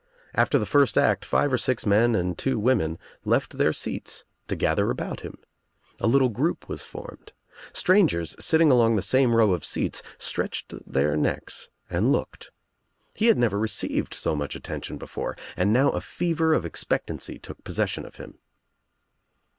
After the first act five or six men and two women left their seats to gather about him. A little group was formed. Strangers sitting along the same row of seats stretched their necks and looked. He had never received so much attention before, and now a fever of expectancy took possession of him.